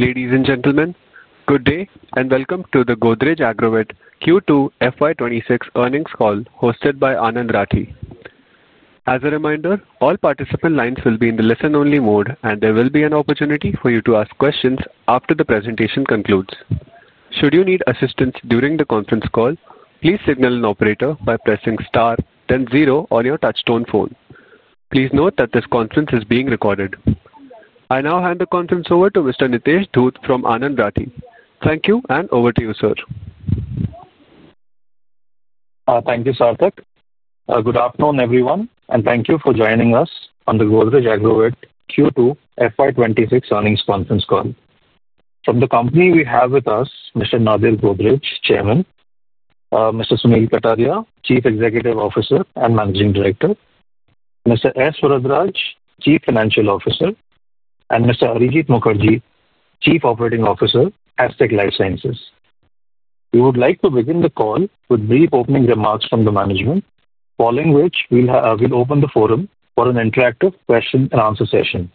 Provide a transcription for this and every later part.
Ladies and gentlemen, good day and welcome to the Godrej Agrovet Q2 FY26 earnings call hosted by Anand Rathi. As a reminder, all participant lines will be in the listen-only mode, and there will be an opportunity for you to ask questions after the presentation concludes. Should you need assistance during the conference call, please signal an operator by pressing star then zero on your touchstone phone. Please note that this conference is being recorded. I now hand the conference over to Mr. Nitesh Dhoot from Anand Rathi. Thank you, and over to you, sir. Thank you, Sarthik. Good afternoon, everyone, and thank you for joining us on the Godrej Agrovet Q2 FY26 earnings conference call. From the company, we have with us Mr. Nadir Godrej, Chairman. Mr. Sunil Kataria, Chief Executive Officer and Managing Director. Mr. S. Varadaraj, Chief Financial Officer, and Mr. Arijit Mukherjee, Chief Operating Officer, Astec Life Sciences. We would like to begin the call with brief opening remarks from the management, following which we'll open the forum for an interactive question-and-answer session.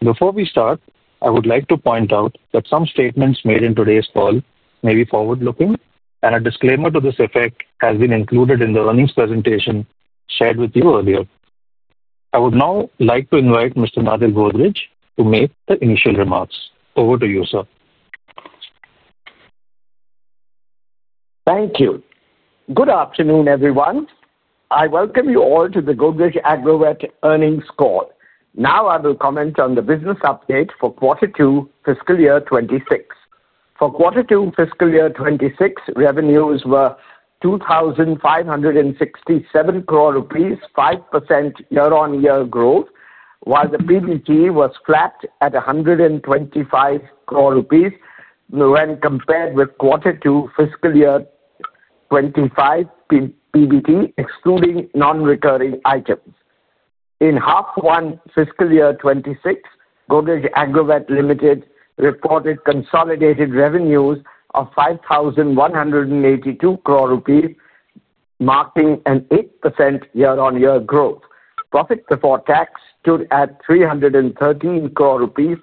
Before we start, I would like to point out that some statements made in today's call may be forward-looking, and a disclaimer to this effect has been included in the earnings presentation shared with you earlier. I would now like to invite Mr. Nadir Godrej to make the initial remarks. Over to you, sir. Thank you. Good afternoon, everyone. I welcome you all to the Godrej Agrovet earnings call. Now I will comment on the business update for Q2 fiscal year 2026. For Q2 fiscal year 2026, revenues were 2,567 crore rupees, 5% year-on-year growth, while the PBT was flat at 125 crore rupees. When compared with Q2 fiscal year 2025 PBT, excluding non-recurring items. In half one fiscal year 2026, Godrej Agrovet Limited reported consolidated revenues of 5,182 crore rupees, marking an 8% year-on-year growth. Profit before tax stood at 313 crore rupees,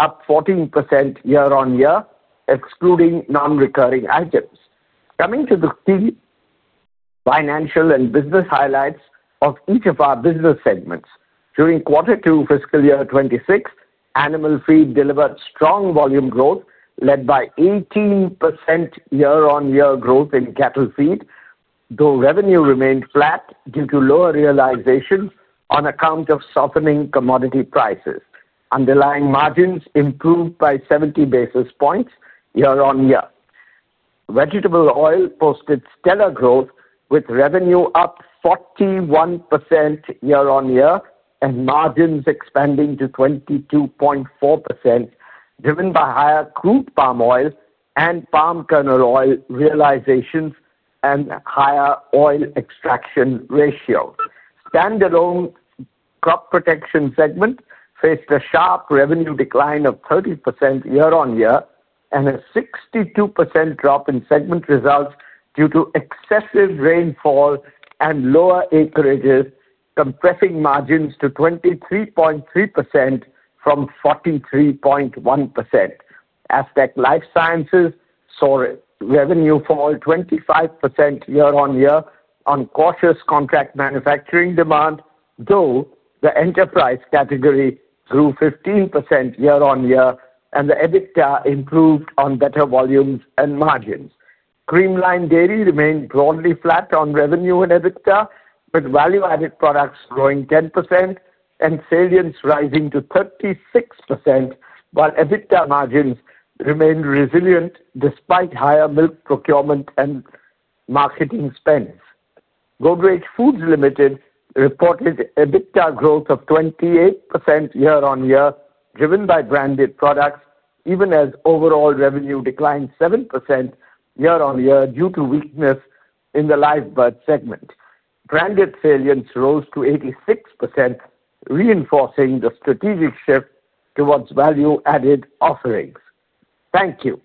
up 14% year-on-year, excluding non-recurring items. Coming to the key financial and business highlights of each of our business segments. During Q2 fiscal year 2026, Animal Feed delivered strong volume growth, led by 18% year-on-year growth in cattle feed, though revenue remained flat due to lower realization on account of softening commodity prices. Underlying margins improved by 70 basis points year-on-year. Vegetable oil posted stellar growth, with revenue up 41% year-on-year and margins expanding to 22.4%, driven by higher crude palm oil and palm kernel oil realizations and higher oil extraction ratio. Stand-alone crop protection segment faced a sharp revenue decline of 30% year-on-year and a 62% drop in segment results due to excessive rainfall and lower acreages, compressing margins to 23.3% from 43.1%. Astec LifeSciences saw revenue fall 25% year-on-year on cautious contract manufacturing demand, though the enterprise category grew 15% year-on-year, and the EBITDA improved on better volumes and margins. Creamline Dairy remained broadly flat on revenue and EBITDA, with value-added products growing 10% and salience rising to 36%, while EBITDA margins remained resilient despite higher milk procurement and marketing spends. Godrej Foods Limited reported EBITDA growth of 28% year-on-year, driven by branded products, even as overall revenue declined 7% year-on-year due to weakness in the live bird segment. Branded salience rose to 86%, reinforcing the strategic shift towards value-added offerings. Thank you.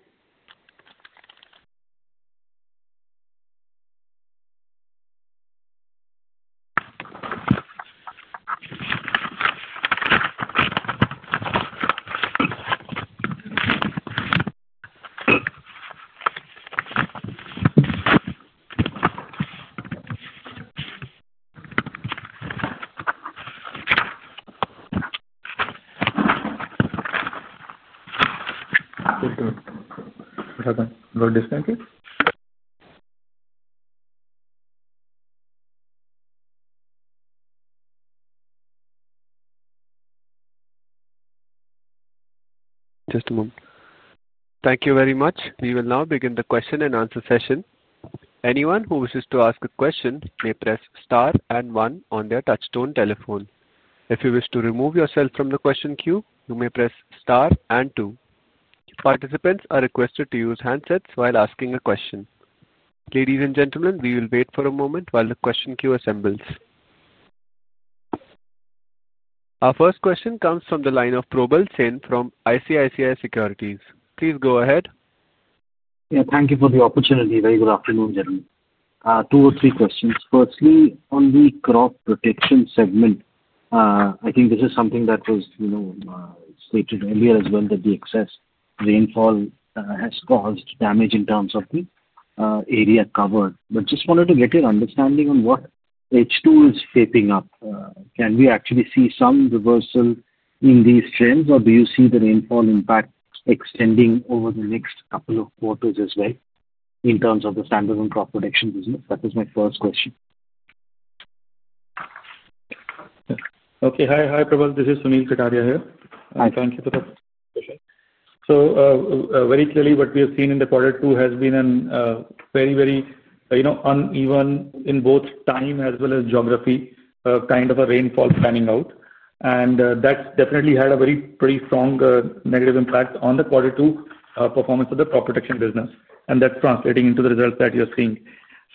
Just a moment. Thank you very much. We will now begin the question-and-answer session. Anyone who wishes to ask a question may press star and one on their touchstone telephone. If you wish to remove yourself from the question queue, you may press star and two. Participants are requested to use handsets while asking a question. Ladies and gentlemen, we will wait for a moment while the question queue assembles. Our first question comes from the line of Probal Sen from ICICI Securities. Please go ahead. Yeah, thank you for the opportunity. Very good afternoon, gentlemen. Two or three questions. Firstly, on the crop protection segment. I think this is something that was stated earlier as well, that the excess rainfall has caused damage in terms of the area covered. Just wanted to get your understanding on what H2 is shaping up. Can we actually see some reversal in these trends, or do you see the rainfall impact extending over the next couple of quarters as well in terms of the standalone crop protection business? That is my first question. Okay. Hi, Probal. This is Sunil Kataria here. Thank you for the question. Very clearly, what we have seen in quarter two has been a very, very uneven in both time as well as geography kind of a rainfall panning out. That has definitely had a very pretty strong negative impact on the quarter two performance of the crop protection business. That is translating into the results that you're seeing.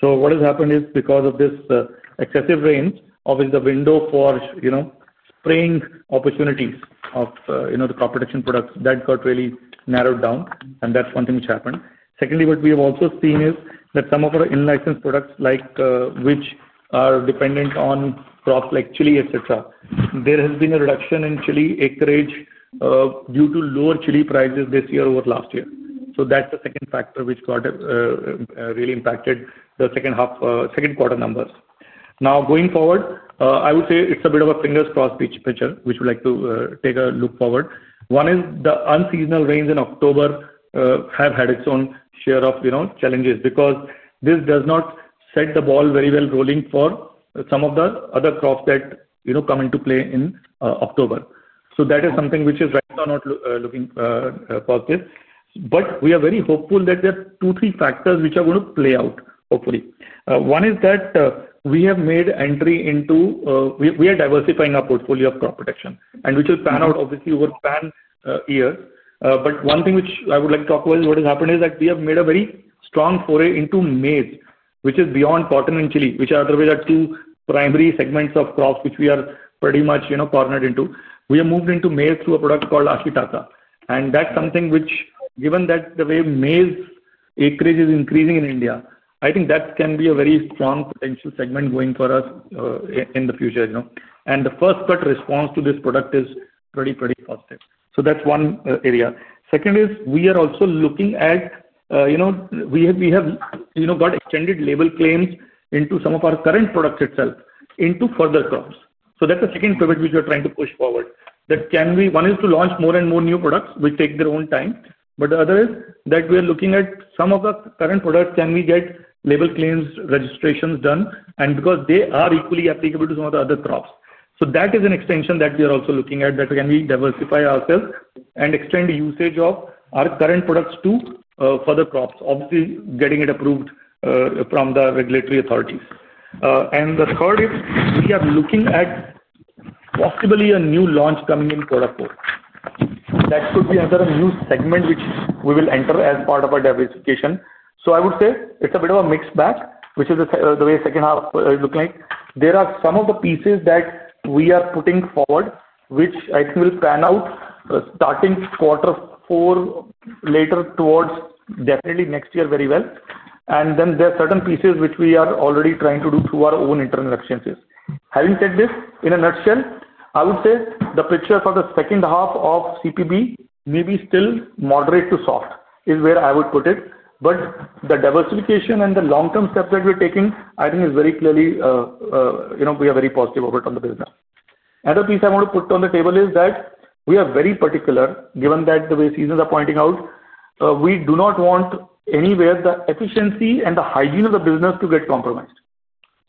What has happened is, because of this excessive rain, obviously the window for spraying opportunities of the crop protection products, that got really narrowed down. That is one thing which happened. Secondly, what we have also seen is that some of our in-license products, which are dependent on crops like chili, etc., there has been a reduction in chili acreage due to lower chili prices this year over last year. That is the second factor which got. Really impacted the second quarter numbers. Now, going forward, I would say it's a bit of a fingers crossed picture, which we'd like to take a look forward. One is the unseasonal rains in October. Have had its own share of challenges because this does not set the ball very well rolling for some of the other crops that come into play in October. That is something which is right now not looking positive. We are very hopeful that there are two, three factors which are going to play out, hopefully. One is that we have made entry into. We are diversifying our portfolio of crop protection, and which will pan out, obviously, over the pan year. One thing which I would like to talk about is what has happened is that we have made a very strong foray into maize, which is beyond cotton and chili, which are otherwise our two primary segments of crops which we are pretty much cornered into. We have moved into maize through a product called Ashitaka. That is something which, given that the way maize acreage is increasing in India, I think that can be a very strong potential segment going for us in the future. The first cut response to this product is pretty, pretty positive. That is one area. Second is, we are also looking at, we have got extended label claims into some of our current products itself into further crops. That is the second pivot which we are trying to push forward. One is to launch more and more new products, which take their own time. The other is that we are looking at some of the current products, can we get label claims registrations done? They are equally applicable to some of the other crops. That is an extension that we are also looking at, that we can diversify ourselves and extend usage of our current products to further crops, obviously getting it approved from the regulatory authorities. The third is, we are looking at possibly a new launch coming in quarter four. That could be another new segment which we will enter as part of our diversification. I would say it's a bit of a mixed bag, which is the way the second half is looking like. There are some of the pieces that we are putting forward, which I think will pan out starting quarter four later towards definitely next year very well. There are certain pieces which we are already trying to do through our own internal exchanges. Having said this, in a nutshell, I would say the picture for the second half of CPB may be still moderate to soft is where I would put it. The diversification and the long-term steps that we're taking, I think, is very clearly. We are very positive over it on the business. Another piece I want to put on the table is that we are very particular, given that the way seasons are pointing out, we do not want anywhere the efficiency and the hygiene of the business to get compromised.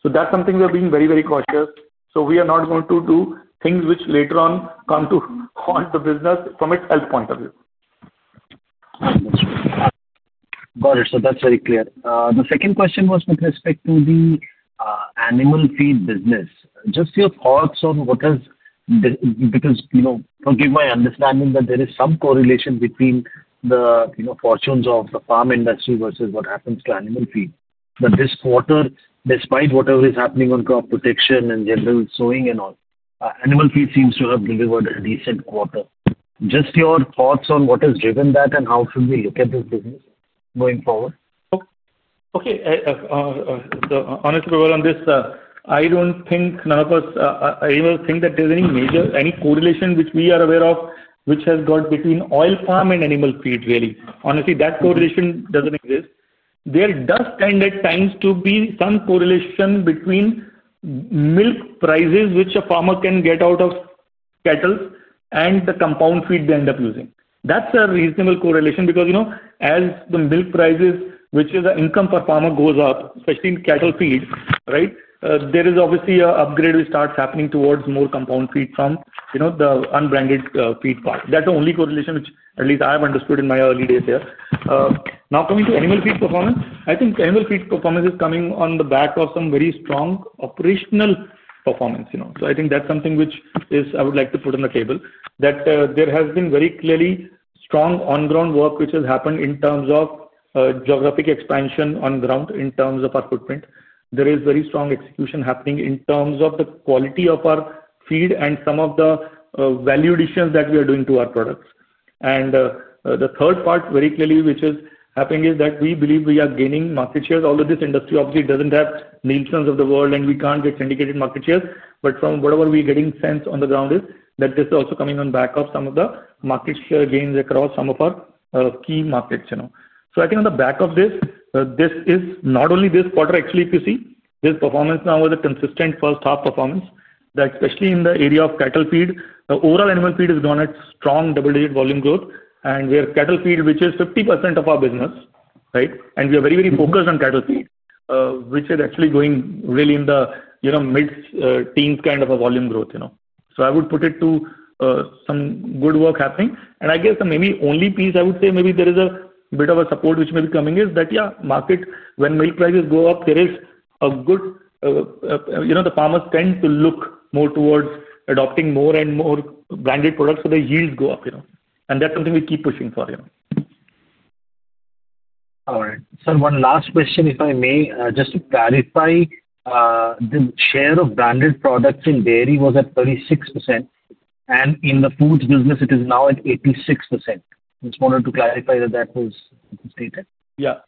That's something we are being very, very cautious. We are not going to do things which later on come to haunt the business from its health point of view. Got it. That is very clear. The second question was with respect to the animal feed business. Just your thoughts on what has, because forgive my understanding that there is some correlation between the fortunes of the farm industry versus what happens to animal feed. This quarter, despite whatever is happening on crop protection and general sowing and all, animal feed seems to have delivered a decent quarter. Just your thoughts on what has driven that and how should we look at this business going forward? Okay. Honestly, Probal, on this, I do not think any of us, I do not think that there is any correlation which we are aware of, which has got between oil palm and animal feed, really. Honestly, that correlation does not exist. There does tend at times to be some correlation between milk prices, which a farmer can get out of cattle, and the compound feed they end up using. That is a reasonable correlation because as the milk prices, which is the income per farmer, goes up, especially in cattle feed, right, there is obviously an upgrade which starts happening towards more compound feed from the unbranded feed part. That is the only correlation which, at least I have understood in my early days here. Now, coming to animal feed performance, I think animal feed performance is coming on the back of some very strong operational performance. I think that's something which I would like to put on the table, that there has been very clearly strong on-ground work which has happened in terms of geographic expansion on ground, in terms of our footprint. There is very strong execution happening in terms of the quality of our feed and some of the value additions that we are doing to our products. The third part, very clearly, which is happening is that we believe we are gaining market share. Although this industry, obviously, doesn't have Nielsen's of the world and we can't get syndicated market share, from whatever we are getting sense on the ground is that this is also coming on back of some of the market share gains across some of our key markets. I think on the back of this, this is not only this quarter, actually, if you see, this performance now is a consistent first half performance that, especially in the area of cattle feed, the overall animal feed has gone at strong double-digit volume growth. We have cattle feed, which is 50% of our business, right? We are very, very focused on cattle feed, which is actually going really in the mid-teens kind of a volume growth. I would put it to some good work happening. I guess the maybe only piece I would say maybe there is a bit of a support which may be coming is that, yeah, market, when milk prices go up, there is a good, the farmers tend to look more towards adopting more and more branded products so the yields go up. That is something we keep pushing for. All right. Sir, one last question, if I may. Just to clarify. The share of branded products in dairy was at 36%, and in the foods business, it is now at 86%. Just wanted to clarify that that was stated. Yeah.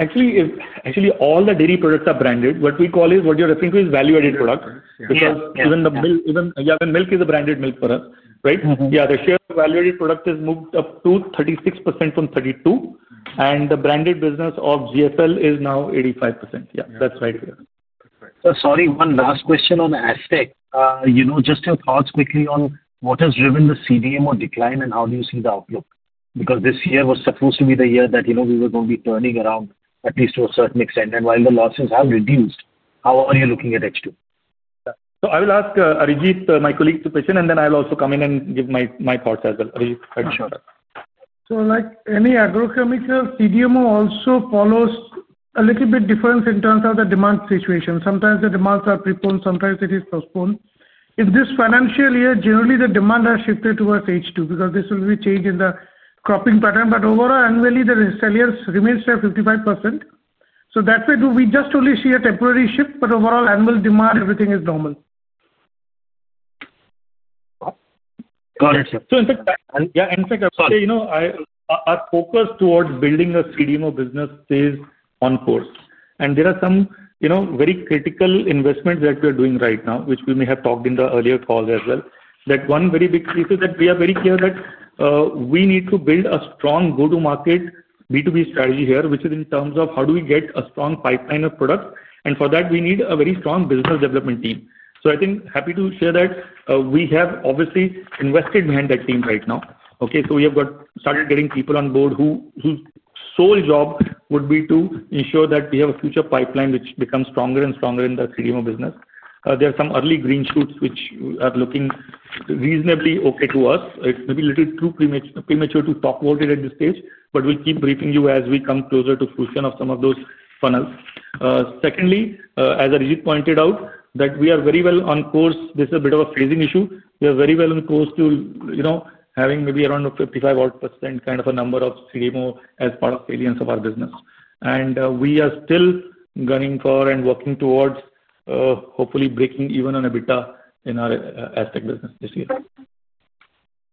Actually, all the dairy products are branded. What we call is, what you're referring to is value-added product. Because even milk is a branded milk product, right? Yeah, the share of value-added product has moved up to 36% from 32%. The branded business of GFL is now 85%. Yeah, that's right. Sir, sorry, one last question on Astec. Just your thoughts quickly on what has driven the CDMO decline and how do you see the outlook? Because this year was supposed to be the year that we were going to be turning around, at least to a certain extent. While the losses have reduced, how are you looking at H2? I will ask Arijit, my colleague, to question, and then I'll also come in and give my thoughts as well. Arijit, go ahead. Sure. Like any agrochemical, CDMO also follows a little bit difference in terms of the demand situation. Sometimes the demands are prepost, sometimes it is postpost. In this financial year, generally, the demand has shifted towards H2 because this will be changed in the cropping pattern. Overall, annually, the resellers remain here at 55%. That way, we just only see a temporary shift, but overall, animal demand, everything is normal. Got it. In fact, I would say our focus towards building a CDMO business stays on course. There are some very critical investments that we are doing right now, which we may have talked in the earlier calls as well. One very big piece is that we are very clear that we need to build a strong go-to-market B2B strategy here, which is in terms of how do we get a strong pipeline of products. For that, we need a very strong business development team. I think happy to share that we have obviously invested behind that team right now. We have started getting people on board whose sole job would be to ensure that we have a future pipeline which becomes stronger and stronger in the CDMO business. There are some early green shoots which are looking reasonably okay to us. It's maybe a little too premature to talk about it at this stage, but we'll keep briefing you as we come closer to fruition of some of those funnels. Secondly, as Arijit pointed out, that we are very well on course. This is a bit of a phasing issue. We are very well on course to having maybe around a 55-odd % kind of a number of CDMO as part of salience of our business. And we are still gunning for and working towards, hopefully, breaking even on EBITDA in our Astec business this year.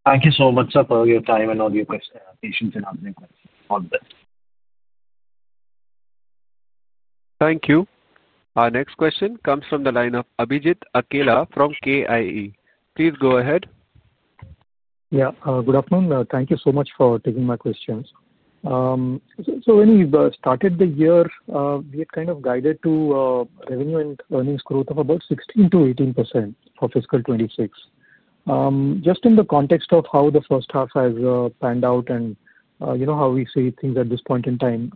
Thank you so much, sir, for your time and all your patience in answering questions. All the best. Thank you. Our next question comes from the line of Abhijit Akela from KIE. Please go ahead. Yeah. Good afternoon. Thank you so much for taking my questions. When we started the year, we had kind of guided to revenue and earnings growth of about 16%-18% for fiscal 2026. Just in the context of how the first half has panned out and how we see things at this point in time,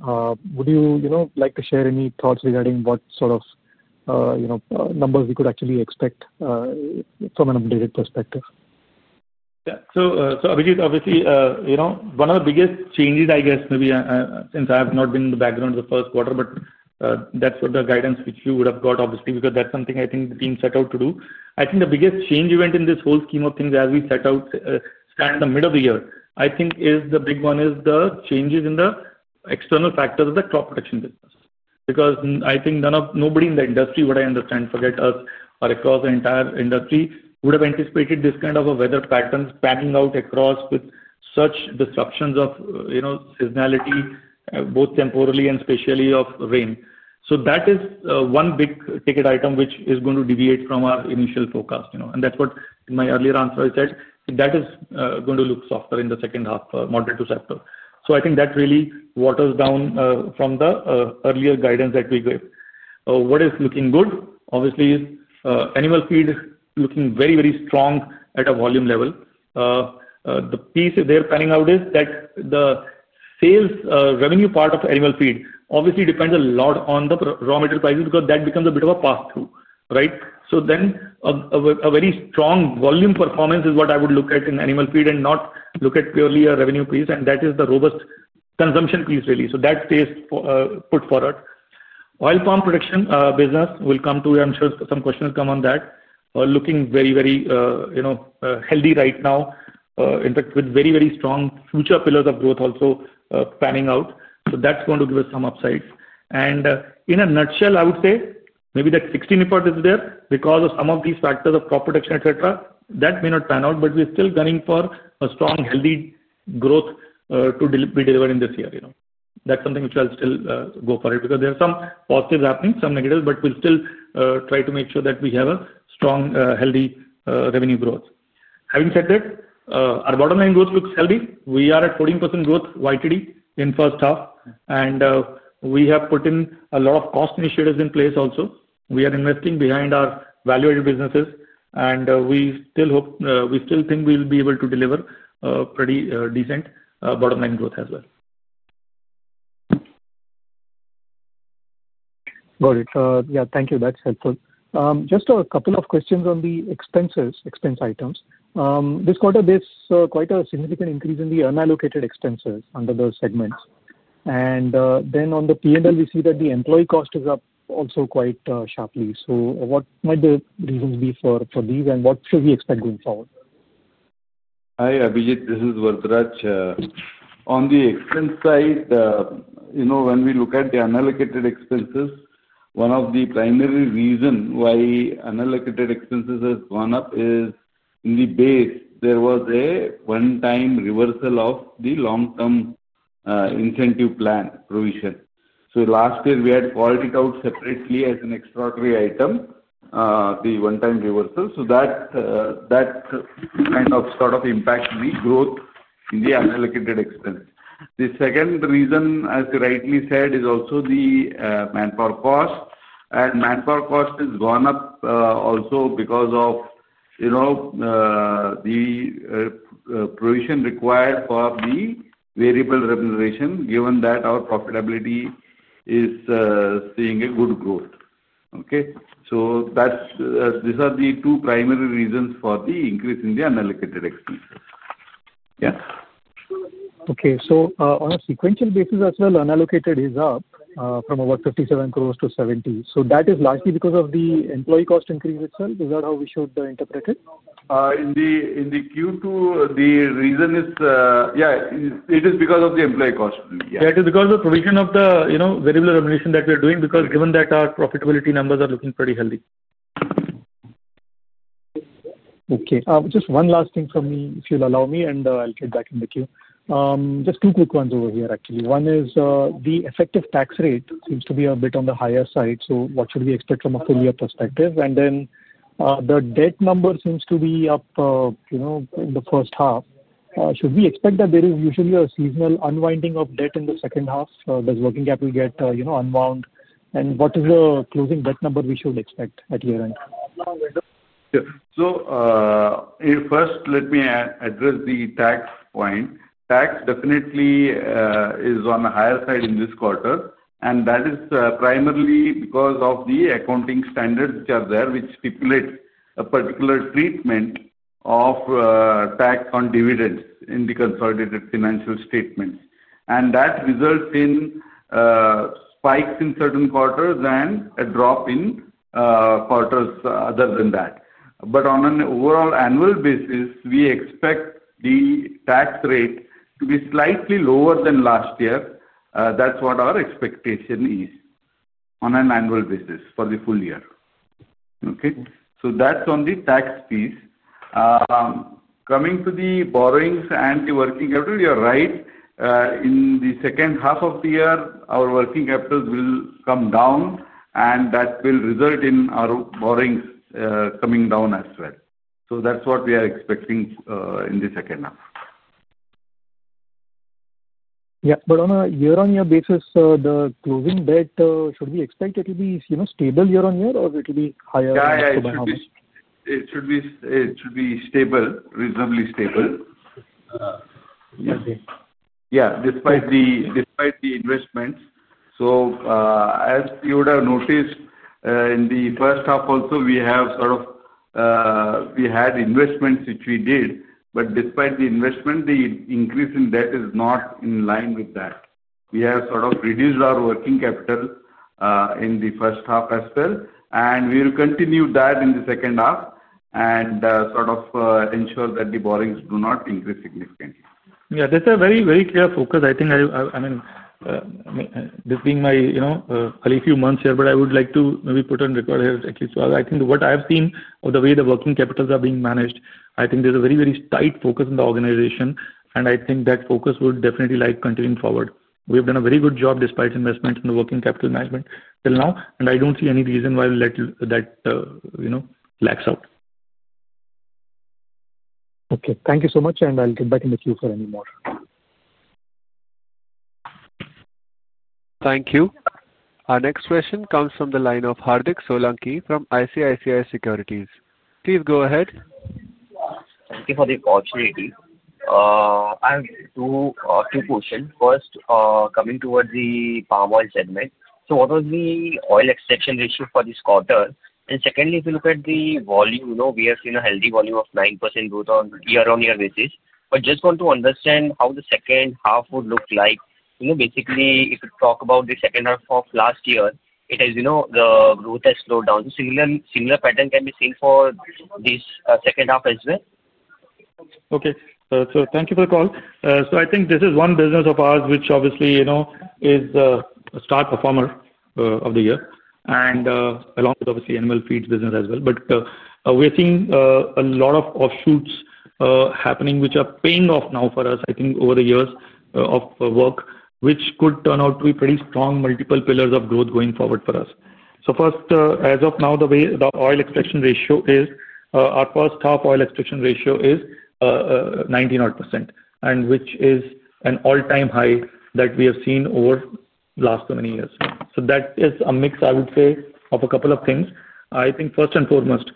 would you like to share any thoughts regarding what sort of numbers we could actually expect from an updated perspective? Yeah. Abhijit, obviously, one of the biggest changes, I guess, maybe since I have not been in the background of the first quarter, but that is what the guidance which you would have got, obviously, because that is something I think the team set out to do. I think the biggest change event in this whole scheme of things as we set out at the middle of the year, I think, is the big one is the changes in the external factors of the crop production business. Because I think nobody in the industry, what I understand, forget us, or across the entire industry, would have anticipated this kind of a weather pattern panning out across with such disruptions of seasonality, both temporally and spatially, of rain. That is one big ticket item which is going to deviate from our initial forecast. That is what in my earlier answer, I said, that is going to look softer in the second half, moderate to softer. I think that really waters down from the earlier guidance that we gave. What is looking good, obviously, is animal feed looking very, very strong at a volume level. The piece there panning out is that the sales revenue part of animal feed obviously depends a lot on the raw material prices because that becomes a bit of a pass-through, right? A very strong volume performance is what I would look at in animal feed and not look at purely a revenue piece. That is the robust consumption piece, really. That stays put forward. Oil palm production business will come to, I am sure some questions come on that, looking very, very healthy right now. In fact, with very, very strong future pillars of growth also panning out. That is going to give us some upsides. In a nutshell, I would say maybe that 16% is there because of some of these factors of crop production, et cetera. That may not pan out, but we are still gunning for a strong, healthy growth to be delivered in this year. That is something which I will still go for because there are some positives happening, some negatives, but we will still try to make sure that we have a strong, healthy revenue growth. Having said that, our bottom line growth looks healthy. We are at 14% growth YTD in first half. We have put in a lot of cost initiatives in place also. We are investing behind our value-added businesses. We still think we will be able to deliver a pretty decent bottom line growth as well. Got it. Yeah, thank you. That's helpful. Just a couple of questions on the expenses, expense items. This quarter, there's quite a significant increase in the unallocated expenses under those segments. On the P&L, we see that the employee cost is up also quite sharply. What might the reasons be for these, and what should we expect going forward? Hi, Abhijit. This is Varadaraj. On the expense side. When we look at the unallocated expenses, one of the primary reasons why unallocated expenses have gone up is in the base, there was a one-time reversal of the long-term incentive plan provision. Last year, we had called it out separately as an extraordinary item. The one-time reversal. That kind of sort of impacted the growth in the unallocated expense. The second reason, as you rightly said, is also the manpower cost. Manpower cost has gone up also because of the provision required for the variable remuneration, given that our profitability is seeing a good growth. Okay. These are the two primary reasons for the increase in the unallocated expenses. Yeah. Okay. So, on a sequential basis as well, unallocated is up from about 57 crore to 70 crore. So, that is largely because of the employee cost increase itself? Is that how we should interpret it? In the Q2, the reason is, yeah, it is because of the employee cost. Yeah. Yeah, it is because of the provision of the variable remuneration that we are doing because given that our profitability numbers are looking pretty healthy. Okay. Just one last thing from me, if you'll allow me, and I'll get back in the queue. Just two quick ones over here, actually. One is the effective tax rate seems to be a bit on the higher side. What should we expect from a full-year perspective? The debt number seems to be up in the first half. Should we expect that there is usually a seasonal unwinding of debt in the second half? Does working capital get unwound? What is the closing debt number we should expect at year-end? Sure. First, let me address the tax point. Tax definitely is on the higher side in this quarter. That is primarily because of the accounting standards which are there, which stipulate a particular treatment of tax on dividends in the consolidated financial statements. That results in spikes in certain quarters and a drop in quarters other than that. On an overall annual basis, we expect the tax rate to be slightly lower than last year. That is what our expectation is on an annual basis for the full year. Okay. That is on the tax piece. Coming to the borrowings and the working capital, you are right. In the second half of the year, our working capital will come down, and that will result in our borrowings coming down as well. That is what we are expecting in the second half. Yeah. On a year-on-year basis, the closing debt, should we expect it to be stable year-on-year, or it will be higher? Yeah, it should be stable, reasonably stable. Yeah, despite the investments. As you would have noticed, in the first half also, we have sort of. We had investments which we did. Despite the investment, the increase in debt is not in line with that. We have sort of reduced our working capital in the first half as well. We will continue that in the second half and sort of ensure that the borrowings do not increase significantly. Yeah. That's a very, very clear focus. I think, I mean, this being my early few months here, but I would like to maybe put on record here, actually. So, I think what I have seen of the way the working capitals are being managed, I think there's a very, very tight focus in the organization. I think that focus would definitely like continuing forward. We have done a very good job despite investments in the working capital management till now. I don't see any reason why that lacks out. Okay. Thank you so much. I'll get back in the queue for any more. Thank you. Our next question comes from the line of Hardik Solanki from ICICI Securities. Please go ahead. Thank you for the opportunity. I have two questions. First, coming towards the palm oil segment. What was the oil extraction ratio for this quarter? Secondly, if you look at the volume, we have seen a healthy volume of 9% growth on year-on-year basis. I just want to understand how the second half would look like. Basically, if you talk about the second half of last year, the growth has slowed down. Can a similar pattern be seen for this second half as well? Okay. Thank you for the call. I think this is one business of ours which obviously is the star performer of the year. Along with, obviously, animal feed business as well. We are seeing a lot of offshoots happening which are paying off now for us, I think, over the years of work, which could turn out to be pretty strong multiple pillars of growth going forward for us. First, as of now, the oil extraction ratio is, our first half oil extraction ratio is 19%, which is an all-time high that we have seen over the last so many years. That is a mix, I would say, of a couple of things. I think, first and foremost,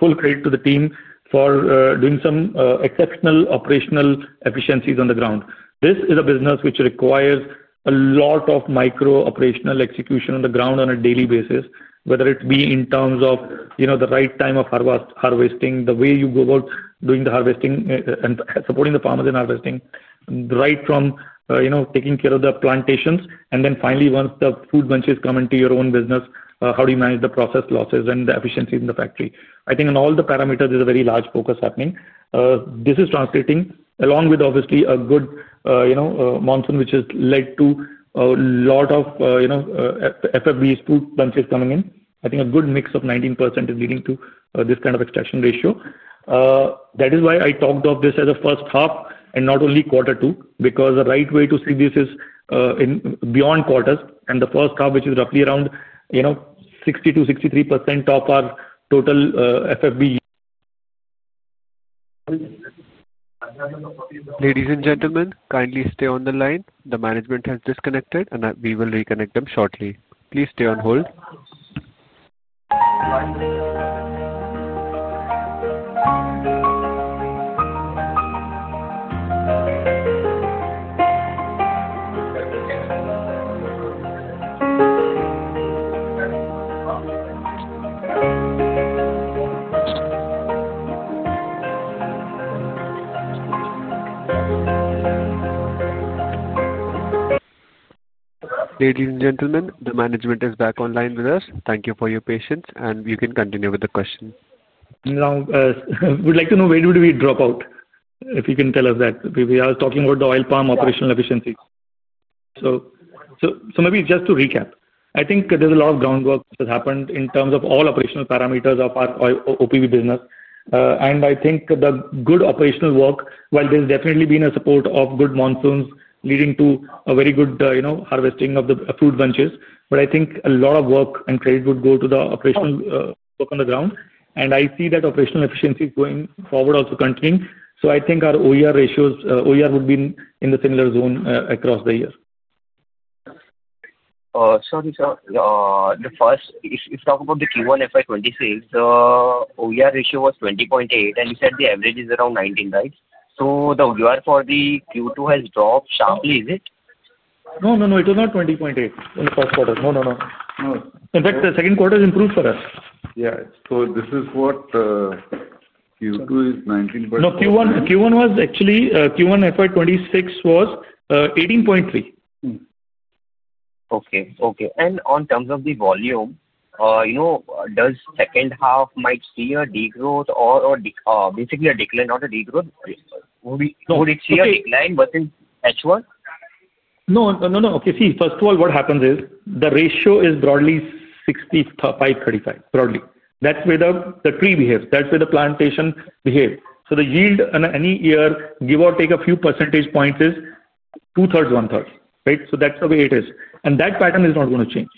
full credit to the team for doing some exceptional operational efficiencies on the ground. This is a business which requires a lot of micro-operational execution on the ground on a daily basis, whether it be in terms of the right time of harvesting, the way you go about doing the harvesting and supporting the farmers in harvesting, right from taking care of the plantations. And then finally, once the fruit bunches come into your own business, how do you manage the process losses and the efficiencies in the factory? I think in all the parameters, there's a very large focus happening. This is translating, along with, obviously, a good monsoon which has led to a lot of FFBs, fruit bunches coming in. I think a good mix of 19% is leading to this kind of extraction ratio. That is why I talked of this as a first half and not only quarter two, because the right way to see this is beyond quarters. The first half, which is roughly around 60%-63% of our total FFB. Ladies and gentlemen, kindly stay on the line. The management has disconnected, and we will reconnect them shortly. Please stay on hold. Ladies and gentlemen, the management is back online with us. Thank you for your patience, and you can continue with the questions. We'd like to know where would we drop out if you can tell us that. We are talking about the oil palm operational efficiencies. Maybe just to recap, I think there's a lot of groundwork that has happened in terms of all operational parameters of our Oil Palm business. I think the good operational work, while there's definitely been a support of good monsoons leading to a very good harvesting of the fruit bunches, but I think a lot of work and credit would go to the operational work on the ground. I see that operational efficiency is going forward, also continuing. I think our OER ratios, OER would be in the similar zone across the year. Sorry, sir. The first, if you talk about the Q1 FY26, the OER ratio was 20.8, and you said the average is around 19, right? The OER for the Q2 has dropped sharply, is it? No, no, no. It was not 20.8 in the first quarter. No, no, no. In fact, the second quarter has improved for us. Yeah. So, this is what? Q2 is 19.8%. No, Q1 was actually Q1 FY26 was 18.3. Okay. Okay. In terms of the volume, does the second half might see a degrowth or basically a decline, not a degrowth? Would it see a decline versus H1? No, no, no. Okay. See, first of all, what happens is the ratio is broadly 65-35, broadly. That is where the tree behaves. That is where the plantation behaves. So, the yield on any year, give or take a few percentage points, is two-thirds, one-third, right? That is the way it is. That pattern is not going to change.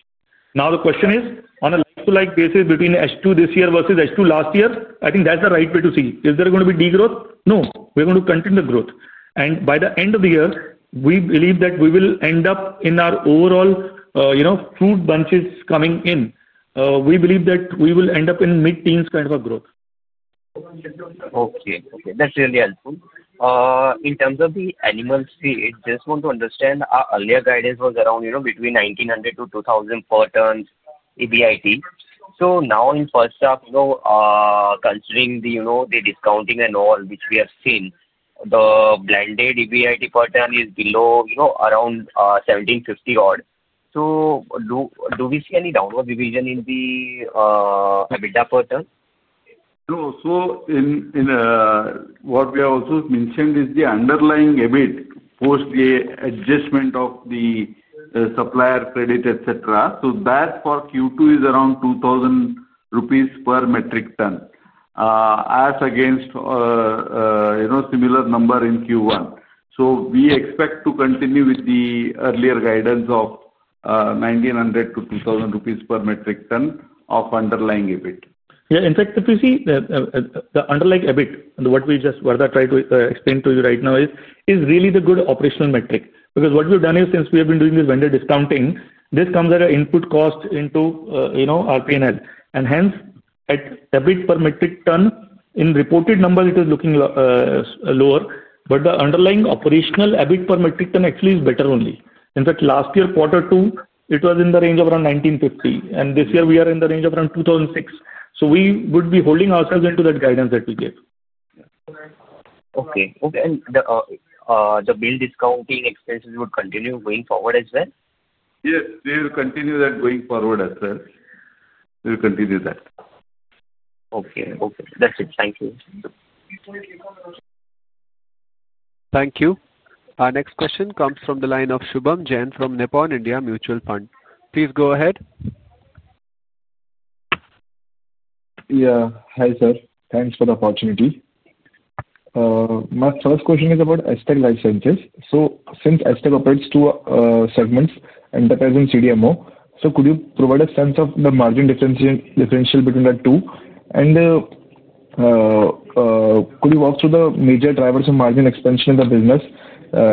Now, the question is, on a like-to-like basis between H2 this year versus H2 last year, I think that is the right way to see. Is there going to be degrowth? No. We are going to continue the growth. By the end of the year, we believe that we will end up in our overall food bunches coming in. We believe that we will end up in mid-teens kind of a growth. Okay. Okay. That's really helpful. In terms of the animal feed, just want to understand, our earlier guidance was around between 1,900-2,000 per ton EBIT. So, now in first half, considering the discounting and all which we have seen, the blended EBIT per ton is below around 1,750 odd. Do we see any downward revision in the EBITDA per ton? No. What we also mentioned is the underlying EBIT post the adjustment of the supplier credit, etc. That for Q2 is around 2,000 rupees per metric ton. As against a similar number in Q1. We expect to continue with the earlier guidance of 1,900-2,000 rupees per metric ton of underlying EBIT. Yeah. In fact, if you see the underlying EBIT, what we just tried to explain to you right now is really the good operational metric. Because what we've done is, since we have been doing this vendor discounting, this comes at an input cost into our P&L. And hence, at EBIT per metric ton, in reported numbers, it is looking lower. But the underlying operational EBIT per metric ton actually is better only. In fact, last year, quarter two, it was in the range of around 1,950. And this year, we are in the range of around 2,006. We would be holding ourselves into that guidance that we gave. Okay. Okay. The bill discounting expenses would continue going forward as well? Yes. They will continue that going forward as well. Okay. Okay. That's it. Thank you. Thank you. Our next question comes from the line of Shubham Jain from Nippon India Mutual Fund. Please go ahead. Yeah. Hi, sir. Thanks for the opportunity. My first question is about Astec LifeSciences. Since Astec operates two segments, Enterprise and CDMO, could you provide a sense of the margin differential between the two? Could you walk through the major drivers of margin expansion in the business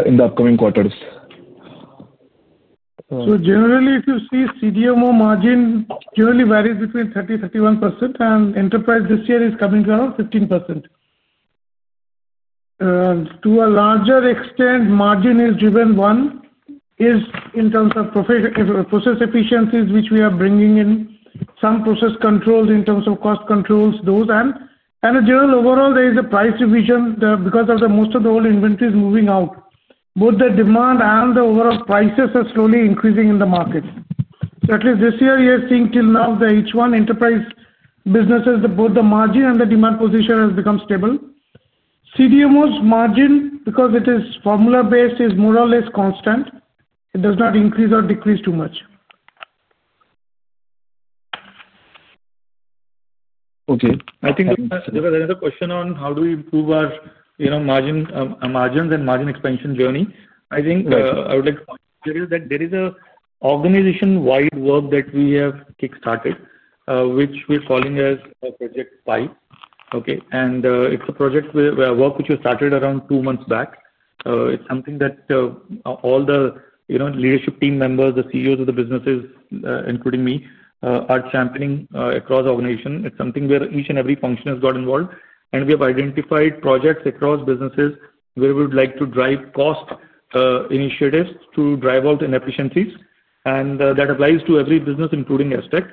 in the upcoming quarters? Generally, if you see CDMO margin, generally varies between 30%-31%. Enterprise this year is coming to around 15%. To a larger extent, margin is driven, one, is in terms of process efficiencies which we are bringing in, some process controls in terms of cost controls, those. In general, overall, there is a price revision because of most of the old inventories moving out. Both the demand and the overall prices are slowly increasing in the market. At least this year, we are seeing till now the H1 Enterprise businesses, both the margin and the demand position has become stable. CDMO's margin, because it is formula-based, is more or less constant. It does not increase or decrease too much. Okay. I think there was another question on how do we improve our margins and margin expansion journey. I think I would like to point out that there is an organization-wide work that we have kickstarted, which we're calling as Project Pi. Okay. And it's a project work which was started around two months back. It's something that all the leadership team members, the CEOs of the businesses, including me, are championing across the organization. It's something where each and every function has got involved. We have identified projects across businesses where we would like to drive cost initiatives to drive out inefficiencies. That applies to every business, including Astec.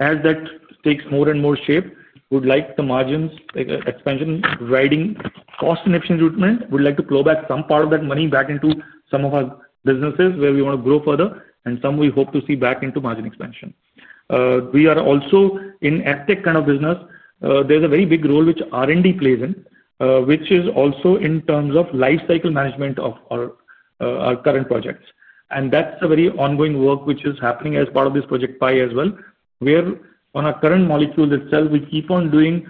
As that takes more and more shape, we would like the margins expansion riding cost inefficiency treatment. We'd like to pull back some part of that money back into some of our businesses where we want to grow further, and some we hope to see back into margin expansion. We are also in Astec kind of business. There's a very big role which R&D plays in, which is also in terms of lifecycle management of our current projects. That's a very ongoing work which is happening as part of this Project Pi as well, where on our current molecule itself, we keep on doing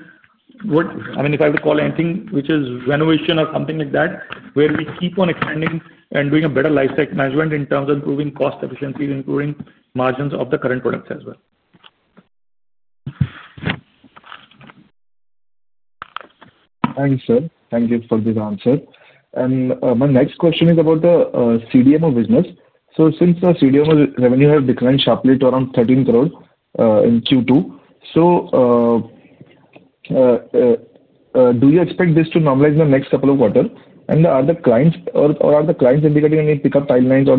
what, I mean, if I have to call anything, which is renovation or something like that, where we keep on extending and doing a better lifecycle management in terms of improving cost efficiencies, improving margins of the current products as well. Thanks, sir. Thank you for this answer. My next question is about the CDMO business. Since the CDMO revenue has declined sharply to around 13 crore in Q2, do you expect this to normalize in the next couple of quarters? Are the clients indicating any pickup timelines? Are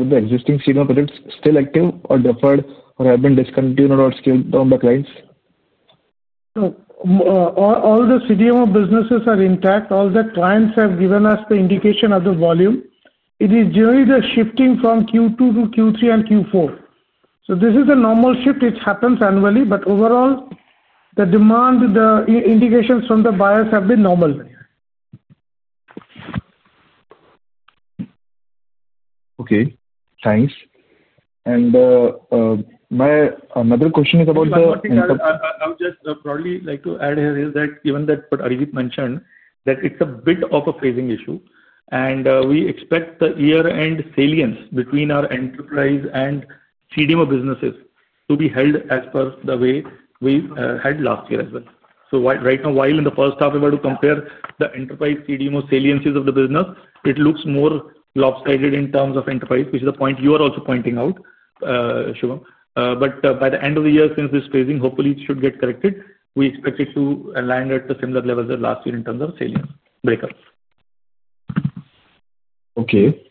the existing CDMO projects still active or deferred or have been discontinued or scaled down by clients? All the CDMO businesses are intact. All the clients have given us the indication of the volume. It is generally the shifting from Q2 to Q3 and Q4. This is a normal shift. It happens annually. Overall, the demand, the indications from the buyers have been normal. Okay. Thanks. My another question is about the, I would just broadly like to add here is that given that what Arijit mentioned, that it's a bit of a phasing issue. We expect the year-end salience between our enterprise and CDMO businesses to be held as per the way we had last year as well. Right now, while in the first half, if I were to compare the enterprise CDMO saliences of the business, it looks more lopsided in terms of enterprise, which is the point you are also pointing out. By the end of the year, since this phasing, hopefully, it should get corrected. We expect it to land at the similar levels as last year in terms of salience breakup. Okay.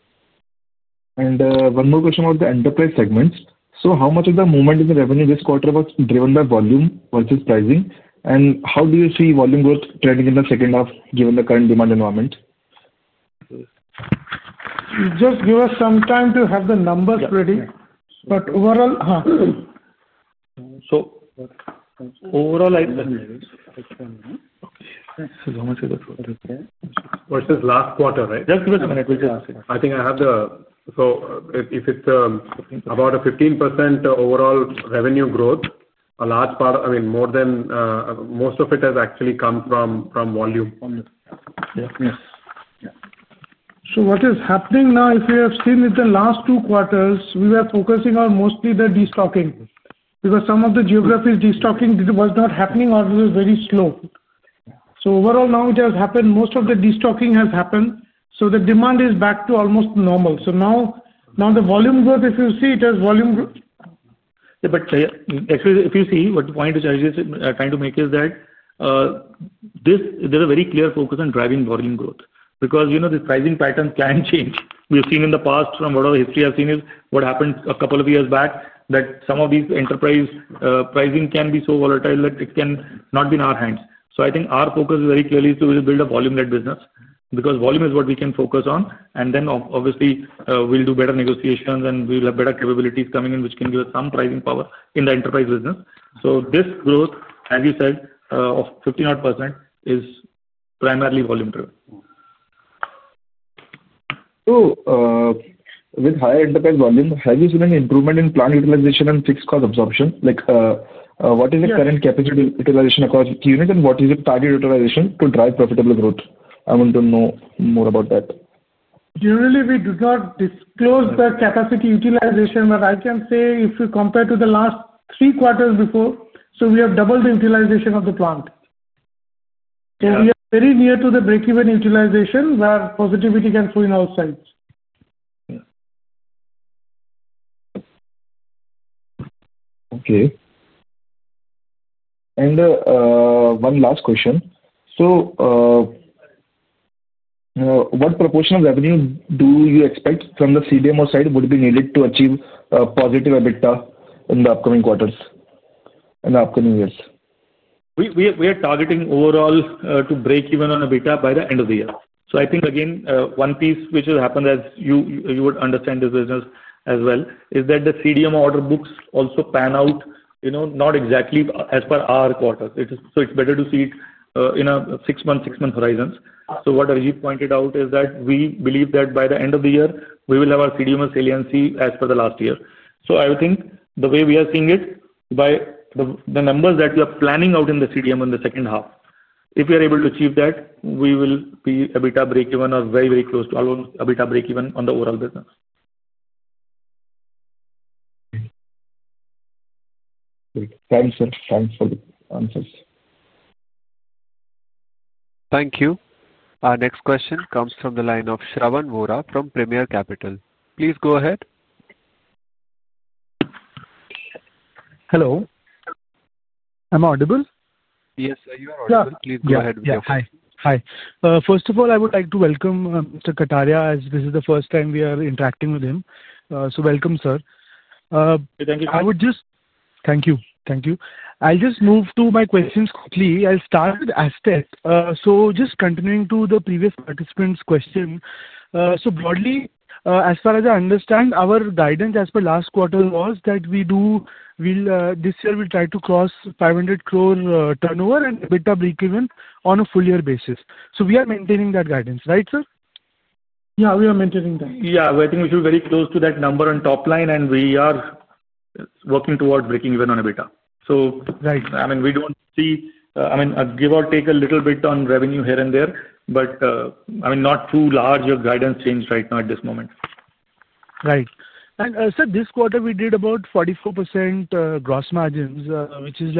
One more question about the enterprise segments. How much of the movement in the revenue this quarter was driven by volume versus pricing? And how do you see volume growth trending in the second half given the current demand environment? Just give us some time to have the numbers ready. But overall, huh? Overall, I. Versus last quarter, right? Just give us a minute. I think I have the, so if it's about a 15% overall revenue growth, a large part, I mean, more than most of it has actually come from volume. Yeah. Yes. Yeah. What is happening now, if you have seen it in the last two quarters, we were focusing on mostly the destocking. Because some of the geographies, destocking was not happening or it was very slow. Overall, now it has happened. Most of the destocking has happened. The demand is back to almost normal. Now the volume growth, if you see, it has volume. Yeah. Actually, if you see, what the point Arijit is trying to make is that there's a very clear focus on driving volume growth. Because the pricing pattern can change. We have seen in the past from whatever history I've seen is what happened a couple of years back, that some of these enterprise pricing can be so volatile that it cannot be in our hands. I think our focus very clearly is to build a volume-led business. Because volume is what we can focus on. Obviously, we'll do better negotiations, and we'll have better capabilities coming in, which can give us some pricing power in the enterprise business. This growth, as you said, of 50-odd % is primarily volume-driven. With higher enterprise volume, have you seen an improvement in plant utilization and fixed cost absorption? What is the current capacity utilization across units, and what is the target utilization to drive profitable growth? I want to know more about that. Generally, we do not disclose the capacity utilization, but I can say if you compare to the last three quarters before, we have doubled the utilization of the plant. We are very near to the break-even utilization where positivity can show in all sides. Okay. One last question. What proportion of revenue do you expect from the CDMO side would be needed to achieve a positive EBITDA in the upcoming quarters? In the upcoming years? We are targeting overall to break even on EBITDA by the end of the year. I think, again, one piece which has happened, as you would understand this business as well, is that the CDMO order books also pan out not exactly as per our quarters. It is better to see it in a six-month horizon. What Arijit pointed out is that we believe that by the end of the year, we will have our CDMO saliency as per the last year. I think the way we are seeing it, by the numbers that we are planning out in the CDMO in the second half, if we are able to achieve that, we will be EBITDA break-even or very, very close to almost EBITDA break-even on the overall business. Thanks, sir. Thanks for the answers. Thank you. Our next question comes from the line of Shravan Vohra from Premier Capital. Please go ahead. Hello. I'm audible? Yes, you are audible. Okay. Please go ahead with your question. Hi. First of all, I would like to welcome Mr. Kataria, as this is the first time we are interacting with him. So, welcome, sir. Thank you. I would just Thank you. Thank you. I'll just move to my questions quickly. I'll start with Astec. Just continuing to the previous participant's question. Broadly, as far as I understand, our guidance as per last quarter was that we do. This year, we'll try to cross 500 crore turnover and EBITDA break-even on a full-year basis. We are maintaining that guidance, right, sir? Yeah, we are maintaining that. Yeah. I think we should be very close to that number on top line, and we are working towards breaking even on EBITDA. I mean, we do not see, I mean, give or take a little bit on revenue here and there, but I mean, not too large a guidance change right now at this moment. Right. Sir, this quarter, we did about 44% gross margins, which is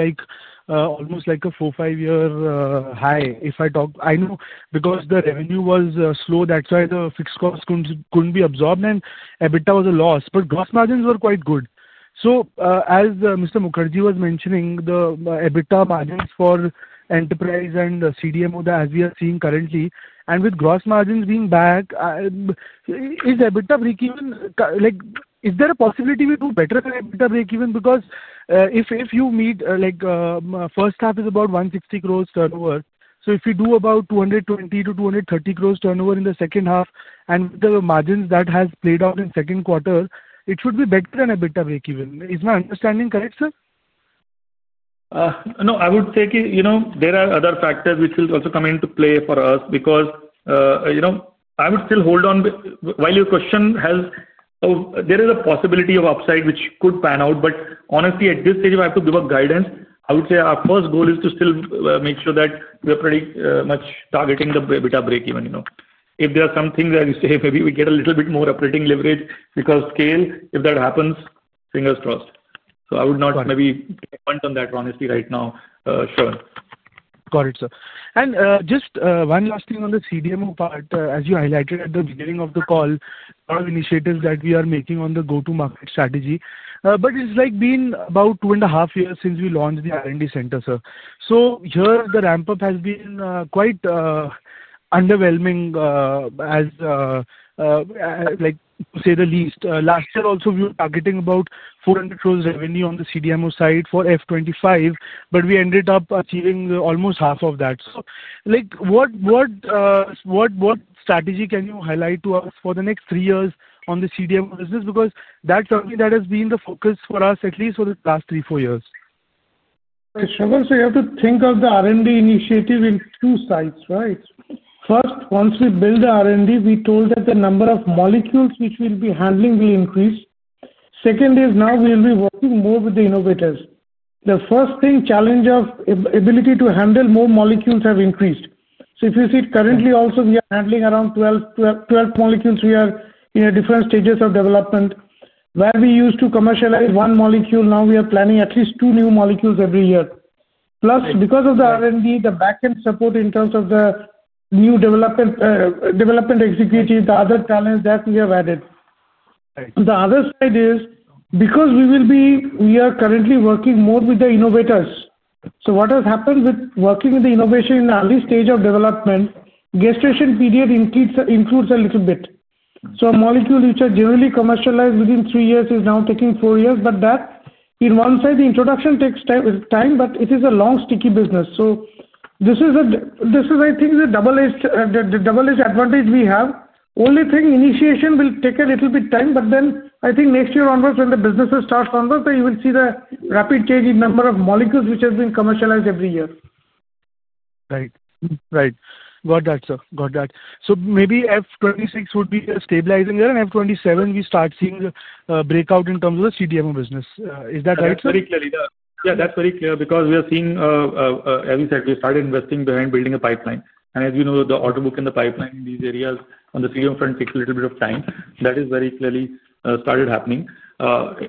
almost like a four, five-year high, if I talk. I know because the revenue was slow, that's why the fixed cost could not be absorbed, and EBITDA was a loss. Gross margins were quite good. As Mr. Mukherjee was mentioning, the EBITDA margins for enterprise and CDMO, as we are seeing currently, and with gross margins being back. Is EBITDA break-even? Is there a possibility we do better than EBITDA break-even? If you meet first half is about 160 crore turnover, if we do about 220-230 crore turnover in the second half, and with the margins that have played out in the second quarter, it should be better than EBITDA break-even. Is my understanding correct, sir? No, I would say there are other factors which will also come into play for us. Because I would still hold on while your question has. There is a possibility of upside which could pan out. Honestly, at this stage, if I have to give a guidance, I would say our first goal is to still make sure that we are pretty much targeting the EBITDA break-even. If there are some things that you say, maybe we get a little bit more operating leverage because scale, if that happens, fingers crossed. I would not maybe comment on that honestly right now, Shravan. Got it, sir. Just one last thing on the CDMO part. As you highlighted at the beginning of the call, a lot of initiatives that we are making on the go-to-market strategy. It has been about two and a half years since we launched the R&D center, sir. Here, the ramp-up has been quite underwhelming, to say the least. Last year, also, we were targeting about 400 crore revenue on the CDMO side for FY25, but we ended up achieving almost half of that. What strategy can you highlight to us for the next three years on the CDMO business? That is something that has been the focus for us, at least for the last three or four years. Okay, Shravan, you have to think of the R&D initiative in two sides, right? First, once we build the R&D, we told that the number of molecules which we'll be handling will increase. Second is now we'll be working more with the innovators. The first thing, challenge of ability to handle more molecules have increased. If you see, currently, also, we are handling around 12 molecules. We are in different stages of development. Where we used to commercialize one molecule, now we are planning at least two new molecules every year. Plus, because of the R&D, the backend support in terms of the new development. Executive, the other talents that we have added. The other side is because we are currently working more with the innovators. What has happened with working with the innovation in the early stage of development, gestation period includes a little bit. A molecule which is generally commercialized within three years is now taking four years. That, in one side, the introduction takes time, but it is a long, sticky business. This is, I think, the double-edged advantage we have. Only thing, initiation will take a little bit of time, but then, I think, next year onwards, when the businesses start onwards, then you will see the rapid change in number of molecules which has been commercialized every year. Right. Right. Got that, sir. Got that. Maybe FY26 would be stabilizing there, and FY27, we start seeing a breakout in terms of the CDMO business. Is that right, sir? That's very clear. Yeah, that's very clear. Because we are seeing, as you said, we started investing behind building a pipeline. And as you know, the order book and the pipeline in these areas, on the CDMO front, takes a little bit of time. That has very clearly started happening.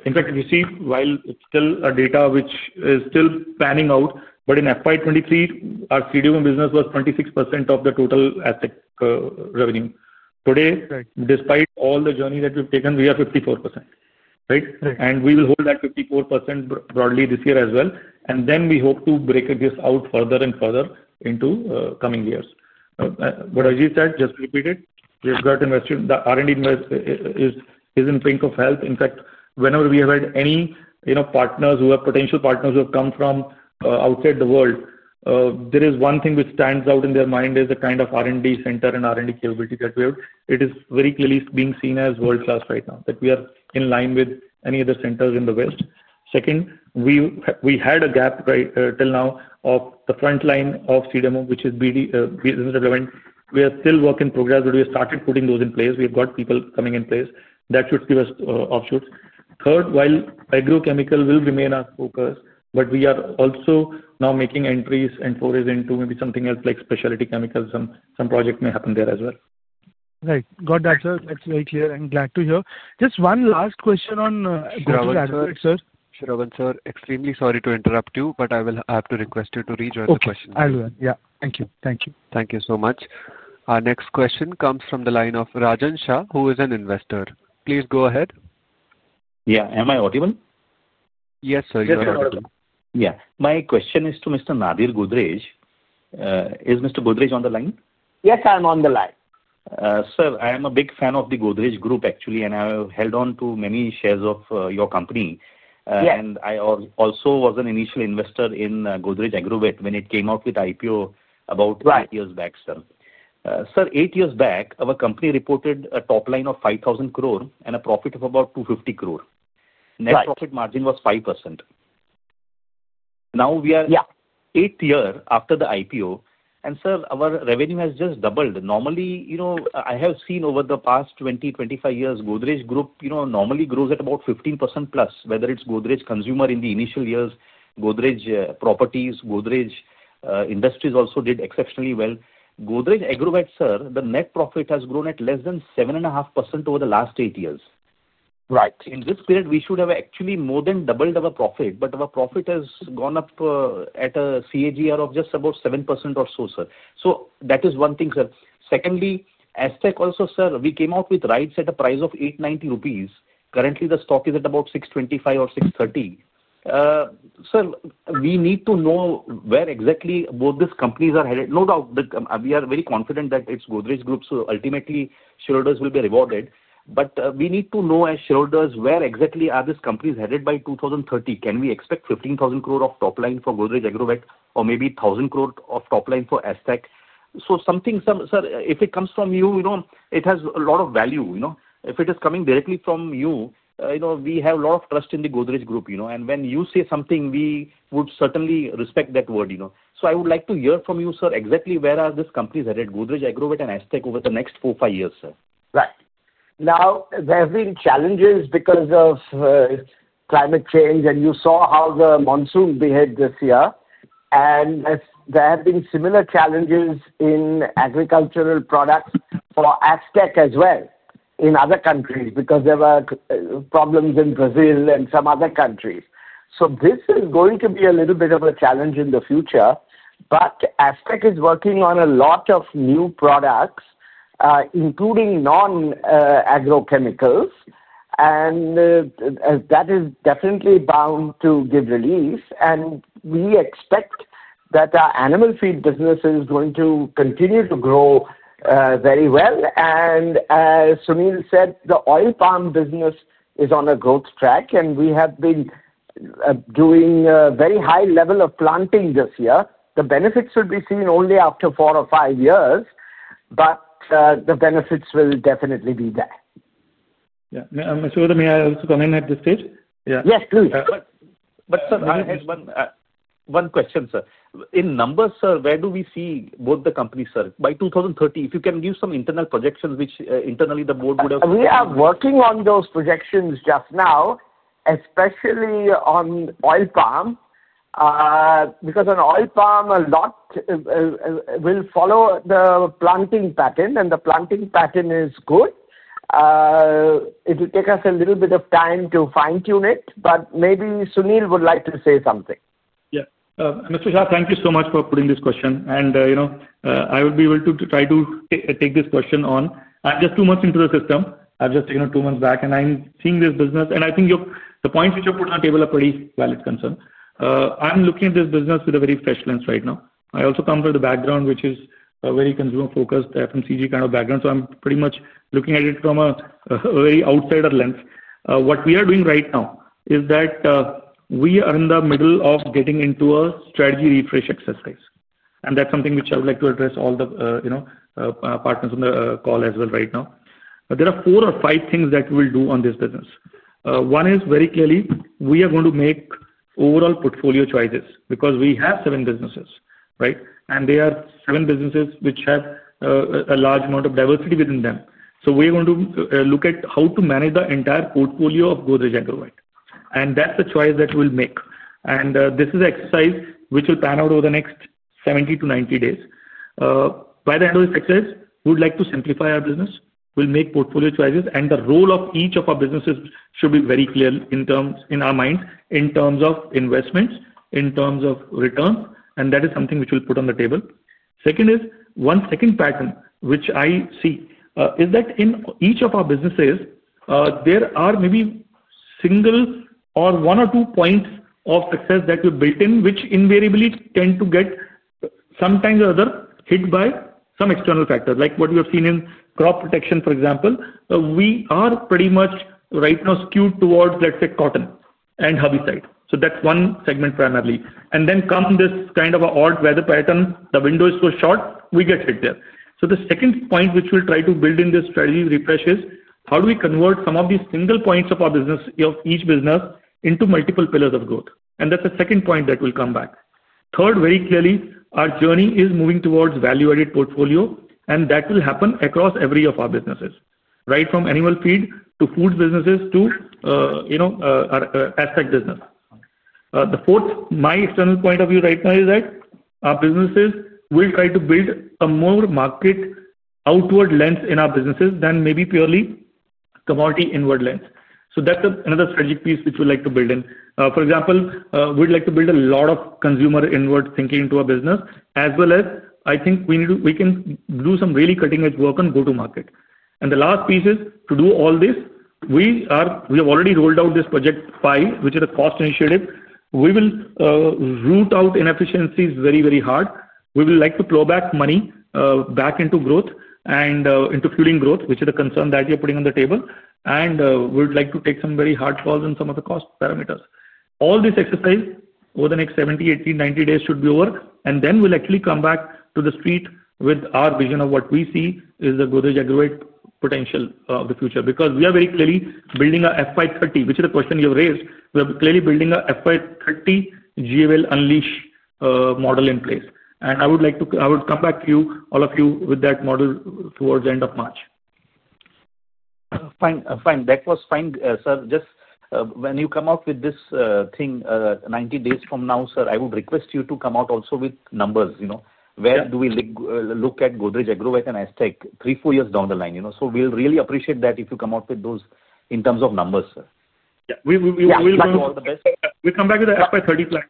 In fact, you see, while it's still data which is still panning out, but in 2023, our CDMO business was 26% of the total Astec revenue. Today, despite all the journey that we've taken, we are 54%, right? We will hold that 54% broadly this year as well. We hope to break this out further and further into coming years. What Arijit said, just to repeat it, we've got invested. The R&D is in pink of health. In fact, whenever we have had any partners who have, potential partners who have come from outside the world. There is one thing which stands out in their mind is the kind of R&D center and R&D capability that we have. It is very clearly being seen as world-class right now, that we are in line with any other centers in the West. Second, we had a gap till now of the front line of CDMO, which is business development. We are still work in progress, but we have started putting those in place. We have got people coming in place. That should give us offshoots. Third, while agrochemical will remain our focus, but we are also now making entries and forays into maybe something else like specialty chemicals. Some project may happen there as well. Right. Got that, sir. That's very clear and glad to hear. Just one last question on. Shravan, sir. Shravan, sir, extremely sorry to interrupt you, but I will have to request you to rejoin the question. I will. Yeah. Thank you. Thank you. Thank you so much. Our next question comes from the line of Rajan Shah, who is an investor. Please go ahead. Yeah. Am I audible? Yes, sir. You are audible. Yeah. My question is to Mr. Nadir Godrej. Is Mr. Godrej on the line? Yes, I'm on the line. Sir, I am a big fan of the Godrej Group, actually, and I have held on to many shares of your company. I also was an initial investor in Godrej Agrovet when it came out with IPO about eight years back, sir. Eight years back, our company reported a top line of 5,000 crore and a profit of about 250 crore. Net profit margin was 5%. Now, we are eighth year after the IPO. Sir, our revenue has just doubled. Normally, I have seen over the past 20-25 years, Godrej Group normally grows at about 15% plus, whether it is Godrej Consumer in the initial years, Godrej Properties, Godrej Industries also did exceptionally well. Godrej Agrovet, sir, the net profit has grown at less than 7.5% over the last eight years. Right. In this period, we should have actually more than doubled our profit, but our profit has gone up at a CAGR of just about 7% or so, sir. That is one thing, sir. Secondly, Astec also, sir, we came out with rights at a price of 890 rupees. Currently, the stock is at about 625 or 630. Sir, we need to know where exactly both these companies are headed. No doubt, we are very confident that it is Godrej Group, so ultimately, shareholders will be rewarded. We need to know, as shareholders, where exactly are these companies headed by 2030? Can we expect 15,000 crore of top line for Godrej Agrovet or maybe 1,000 crore of top line for Astec? If it comes from you, sir, it has a lot of value. If it is coming directly from you, we have a lot of trust in the Godrej Group. When you say something, we would certainly respect that word. I would like to hear from you, sir, exactly where are these companies headed, Godrej Agrovet and Astec, over the next four or five years, sir? Right. Now, there have been challenges because of climate change, and you saw how the monsoon behaved this year. There have been similar challenges in agricultural products for Astec as well in other countries because there were problems in Brazil and some other countries. This is going to be a little bit of a challenge in the future. Astec is working on a lot of new products, including non-agrochemicals. That is definitely bound to give release. We expect that our animal feed business is going to continue to grow very well. As Sunil said, the oil palm business is on a growth track, and we have been doing a very high level of planting this year. The benefits will be seen only after four or five years, but the benefits will definitely be there. Yeah. Mr. Godrej, may I also come in at this stage? Yes, please. Sir, one question, sir. In numbers, sir, where do we see both the companies, sir? By 2030, if you can give some internal projections which internally the board would have— We are working on those projections just now, especially on oil palm. Because on oil palm, a lot will follow the planting pattern, and the planting pattern is good. It will take us a little bit of time to fine-tune it, but maybe Sunil would like to say something. Yeah. Mr. Shah, thank you so much for putting this question. I will be able to try to take this question on. I'm just two months into the system. I've just taken two months back, and I'm seeing this business. I think the points which you've put on the table are pretty valid concerns. I'm looking at this business with a very fresh lens right now. I also come from the background which is very consumer-focused, FMCG kind of background. I'm pretty much looking at it from a very outsider lens. What we are doing right now is that we are in the middle of getting into a strategy refresh exercise. That's something which I would like to address all the partners on the call as well right now. There are four or five things that we will do on this business. One is, very clearly, we are going to make overall portfolio choices because we have seven businesses, right? They are seven businesses which have a large amount of diversity within them. We are going to look at how to manage the entire portfolio of Godrej Agrovet. That is the choice that we'll make. This is an exercise which will pan out over the next 70-90 days. By the end of this exercise, we'd like to simplify our business, we'll make portfolio choices, and the role of each of our businesses should be very clear in our minds in terms of investments, in terms of returns. That is something which we'll put on the table. Second is, one second pattern which I see is that in each of our businesses. There are maybe single or one or two points of success that we've built in, which invariably tend to get sometimes or other hit by some external factors. Like what we have seen in crop protection, for example, we are pretty much right now skewed towards, let's say, cotton and herbicide. That is one segment primarily. Then come this kind of odd weather pattern, the window is so short, we get hit there. The second point which we'll try to build in this strategy refresh is how do we convert some of these single points of our business, of each business, into multiple pillars of growth? That is the second point that will come back. Third, very clearly, our journey is moving towards value-added portfolio, and that will happen across every of our businesses, right from animal feed to food businesses to Astec business. The fourth, my external point of view right now is that our businesses will try to build a more market outward lens in our businesses than maybe purely commodity inward lens. That is another strategic piece which we'd like to build in. For example, we'd like to build a lot of consumer inward thinking into our business, as well as I think we can do some really cutting-edge work on go-to-market. The last piece is to do all this, we have already rolled out this project five, which is a cost initiative. We will root out inefficiencies very, very hard. We would like to throw back money back into growth and into fueling growth, which is the concern that you're putting on the table. We'd like to take some very hard calls on some of the cost parameters. All this exercise, over the next 70-80-90 days, should be over, and then we'll actually come back to the street with our vision of what we see is the Godrej Agrovet potential of the future. Because we are very clearly building a FY2030, which is the question you've raised. We are clearly building a FY2030 GAL unleash model in place. I would like to, I would come back to you, all of you, with that model towards the end of March. Fine. That was fine, sir. Just when you come out with this thing 90 days from now, sir, I would request you to come out also with numbers. Where do we look at Godrej Agrovet and Astec three, four years down the line? So we'll really appreciate that if you come out with those in terms of numbers, sir. Yeah. We'll come back to all the best. We'll come back to the FY30 plan.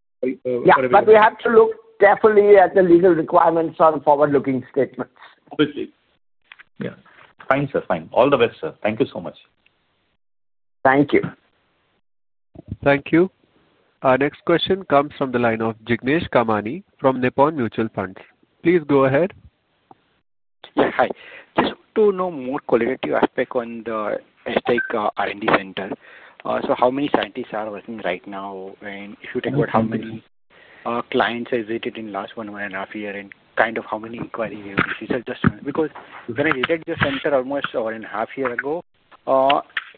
Yeah. We have to look carefully at the legal requirements on forward-looking statements. Obviously. Yeah. Fine. All the best, sir. Thank you so much. Thank you. Thank you. Our next question comes from the line of Jignesh Kamani from Nippon India Mutual Fund. Please go ahead. Yes. Hi. Just to know more qualitative aspect on the Astec R&D center. So how many scientists are working right now? If you take about how many clients have visited in the last one, one and a half year? Kind of how many inquiries? Because when I visited the center almost one and a half years ago,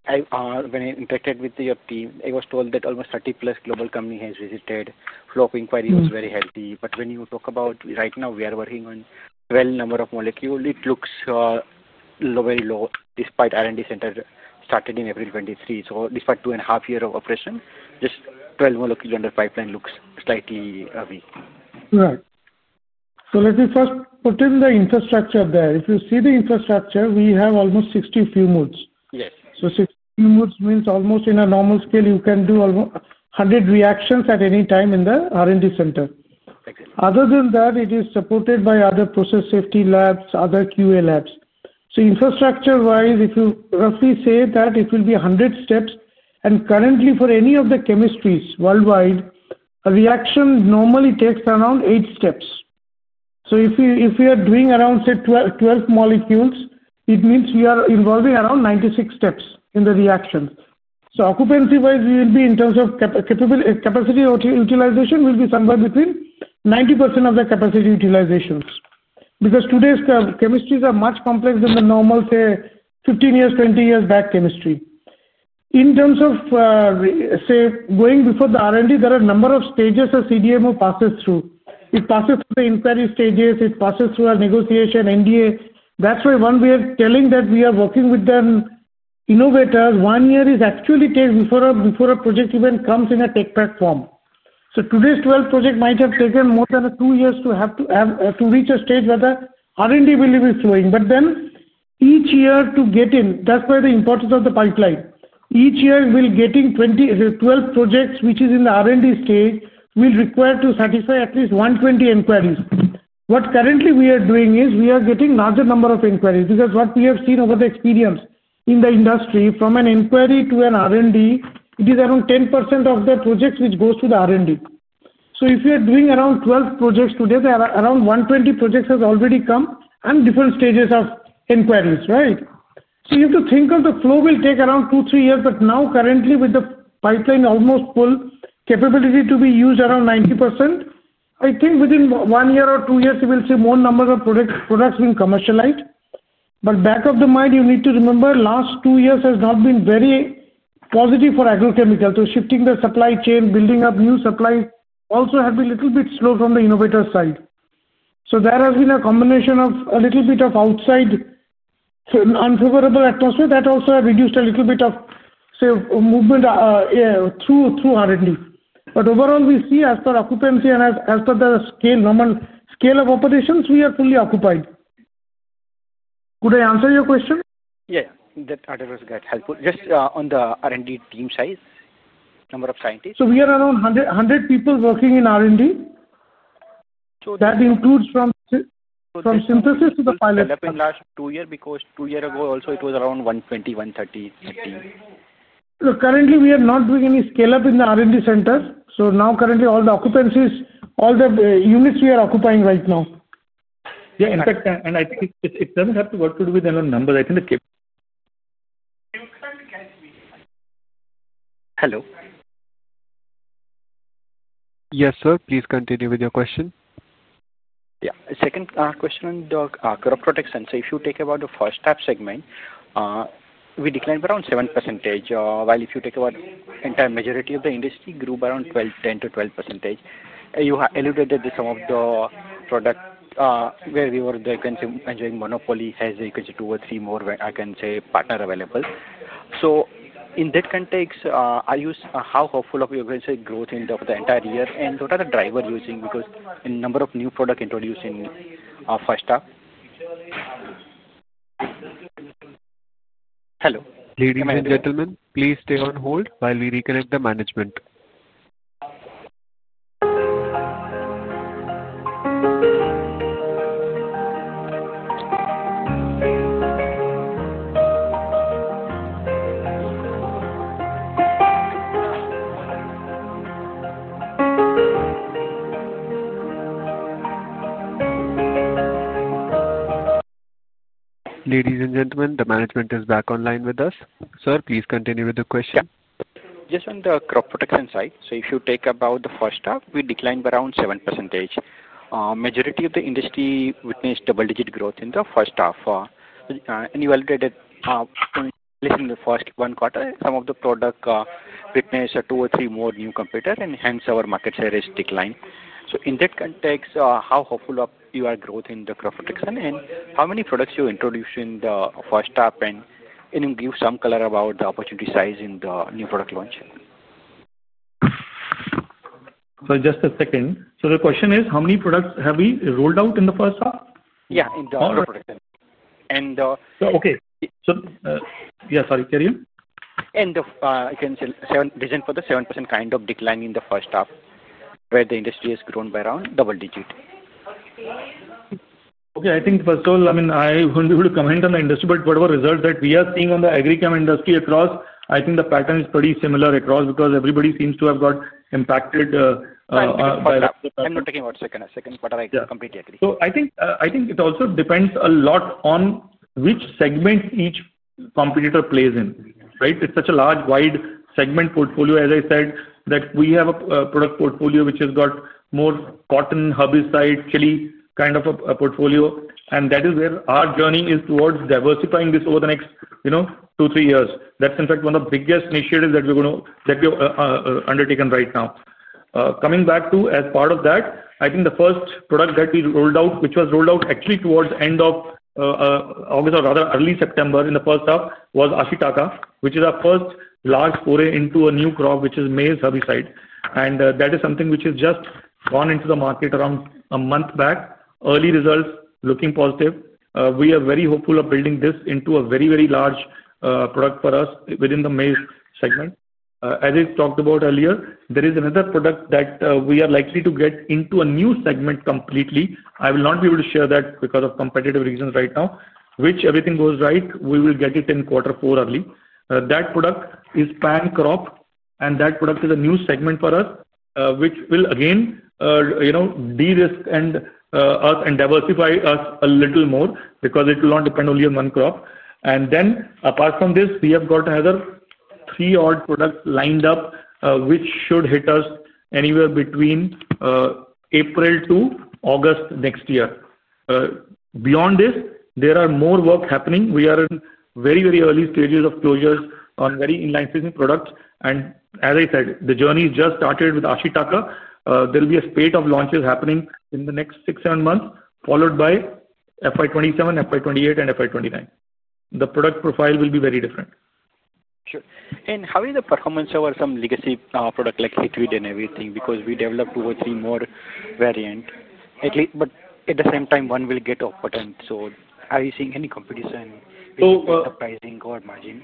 when I interacted with your team, I was told that almost 30 plus global companies have visited. Flow of inquiry was very healthy. When you talk about right now, we are working on 12 number of molecules. It looks very low despite R&D center started in April 2023. Despite two and a half years of operation, just 12 molecules under pipeline looks slightly weak. Right. Let me first put in the infrastructure there. If you see the infrastructure, we have almost 60 fume hoods. So 60 fume hoods means almost in a normal scale, you can do 100 reactions at any time in the R&D center. Other than that, it is supported by other process safety labs, other QA labs. Infrastructure-wise, if you roughly say that it will be 100 steps, and currently, for any of the chemistries worldwide, a reaction normally takes around eight steps. If we are doing around, say, 12 molecules, it means we are involving around 96 steps in the reaction. Occupancy-wise, we will be in terms of capacity utilization somewhere between 90% of the capacity utilization. Today's chemistries are much more complex than the normal, say, 15 years, 20 years back chemistry. In terms of. Say going before the R&D, there are a number of stages a CDMO passes through. It passes through the inquiry stages. It passes through a negotiation, NDA. That's why when we are telling that we are working with them innovators, one year actually takes before a project even comes in a tech platform. Today's 12 projects might have taken more than two years to reach a stage where the R&D will be flowing. Each year to get in, that's where the importance of the pipeline. Each year we'll be getting 12 projects which are in the R&D stage will require to satisfy at least 120 inquiries. What currently we are doing is we are getting larger number of inquiries. Because what we have seen over the experience in the industry, from an inquiry to an R&D, it is around 10% of the projects which goes to the R&D. If you are doing around 12 projects today, there are around 120 projects that have already come and different stages of inquiries, right? You have to think of the flow will take around two, three years. Currently, with the pipeline almost full, capability to be used around 90%, I think within one year or two years, you will see more numbers of products being commercialized. Back of the mind, you need to remember last two years has not been very positive for agrochemicals. Shifting the supply chain, building up new supplies also has been a little bit slow from the innovator side. There has been a combination of a little bit of outside. Unfavorable atmosphere that also has reduced a little bit of, say, movement through R&D. But overall, we see as per occupancy and as per the normal scale of operations, we are fully occupied. Could I answer your question? Yeah. That address got helpful. Just on the R&D team size, number of scientists? We are around 100 people working in R&D. That includes from synthesis to the pilot. Scale-up in the last two years because two years ago also it was around 120-130. Currently, we are not doing any scale-up in the R&D center. Currently, all the occupancies, all the units we are occupying right now. Yeah. I think it doesn't have to do with the number. I think the. Hello? Yes, sir. Please continue with your question. Yeah. Second question on the crop protection. So if you take about the first-half segment, we declined by around 7%, while if you take about the entire majority of the industry, grew by around 10-12%. You alluded that some of the product where we were enjoying monopoly has two or three more, I can say, partner available. In that context, how hopeful of your growth in the entire year? What are the drivers using? Because a number of new products introduced in first half. Hello. Ladies and gentlemen, please stay on hold while we reconnect the management. Ladies and gentlemen, the management is back online with us. Sir, please continue with the question. Yeah. Just on the crop protection side, so if you take about the first half, we declined by around 7%. Majority of the industry witnessed double-digit growth in the first half. You alluded to the first one quarter, some of the products witnessed two or three more new competitors, and hence our market share has declined. In that context, how hopeful are you of growth in the crop protection, and how many products did you introduce in the first half? Can you give some color about the opportunity size in the new product launch? Just a second. The question is, how many products have we rolled out in the first half? Yeah. In the crop protection. And. Okay. Yeah. Sorry. Carry on. I can say reason for the 7% kind of decline in the first half, where the industry has grown by around double digit. Okay. I think first of all, I mean, I wouldn't be able to comment on the industry, but whatever results that we are seeing on the agri chem industry across, I think the pattern is pretty similar across because everybody seems to have got impacted. I'm not taking over. Second. Second quarter, I completely agree. I think it also depends a lot on which segment each competitor plays in, right? It is such a large, wide segment portfolio, as I said, that we have a product portfolio which has got more cotton, herbicide, chili kind of a portfolio. That is where our journey is towards diversifying this over the next two, three years. That is, in fact, one of the biggest initiatives that we are going to undertake right now. Coming back to, as part of that, I think the first product that we rolled out, which was rolled out actually towards the end of August or rather early September in the first half, was Ashitaka, which is our first large foray into a new crop, which is maize herbicide. That is something which has just gone into the market around a month back. Early results looking positive. We are very hopeful of building this into a very, very large product for us within the maize segment. As I talked about earlier, there is another product that we are likely to get into a new segment completely. I will not be able to share that because of competitive reasons right now. If everything goes right, we will get it in quarter four early. That product is Pan Crop. That product is a new segment for us, which will, again, de-risk and diversify us a little more because it will not depend only on one crop. Apart from this, we have got another three odd products lined up, which should hit us anywhere between April to August next year. Beyond this, there is more work happening. We are in very, very early stages of closures on very inline-fitting products. As I said, the journey has just started with Ashitaka. There will be a spate of launches happening in the next six-seven months, followed by FY2027, FY2028, and FY2029. The product profile will be very different. Sure. How is the performance over some legacy product like Headway and everything? Because we developed two or three more variants. At the same time, one will get overturned. Are you seeing any competition in the pricing or margin?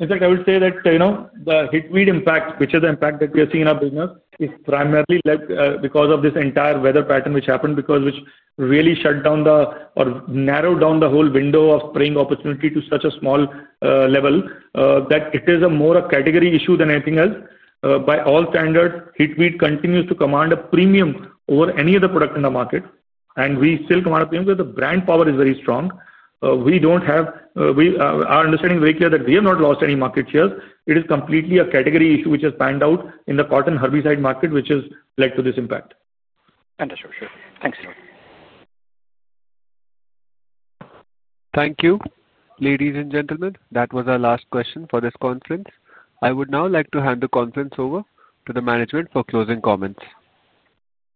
In fact, I would say that the Headway impact, which is the impact that we are seeing in our business, is primarily led because of this entire weather pattern which happened, which really shut down or narrowed down the whole window of spraying opportunity to such a small level that it is more a category issue than anything else. By all standards, Headway continues to command a premium over any other product in the market. We still command a premium because the brand power is very strong. We don't have. Our understanding is very clear that we have not lost any market shares. It is completely a category issue which has panned out in the cotton herbicide market, which has led to this impact. Understood. Sure. Thanks. Thank you. Ladies and gentlemen, that was our last question for this conference. I would now like to hand the conference over to the management for closing comments.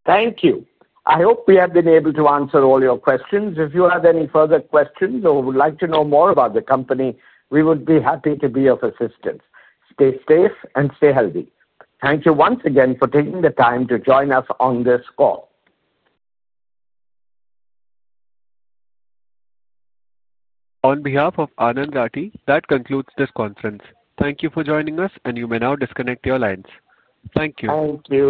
Thank you. I hope we have been able to answer all your questions. If you have any further questions or would like to know more about the company, we would be happy to be of assistance. Stay safe and stay healthy. Thank you once again for taking the time to join us on this call. On behalf of Anand Rathi, that concludes this conference. Thank you for joining us, and you may now disconnect your lines. Thank you. Thank you.